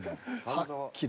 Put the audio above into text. ［はっきり］